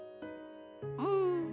うん。